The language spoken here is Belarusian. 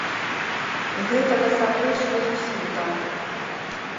Гэта насамрэч не зусім так.